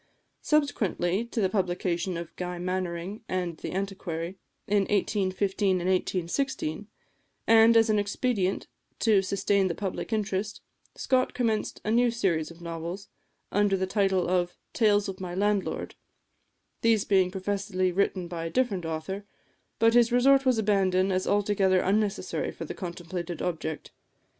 Subsequently to the publication of "Guy Mannering" and "The Antiquary," in 1815 and 1816, and as an expedient to sustain the public interest, Scott commenced a new series of novels, under the title of "Tales of my Landlord," these being professedly written by a different author; but this resort was abandoned as altogether unnecessary for the contemplated object.